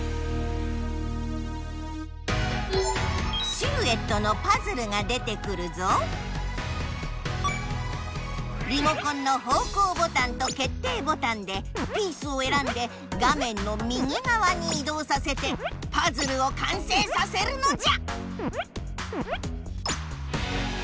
シルエットのパズルが出てくるぞリモコンの方こうボタンとけっていボタンでピースをえらんで画めんの右がわにいどうさせてパズルを完成させるのじゃ！